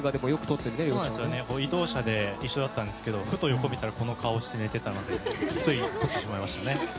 移動車で一緒だったんですけど横を見たらこの顔で寝ていたのでつい、撮ってしまいました。